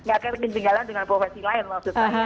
enggak ketinggalan dengan profesi lain maksud saya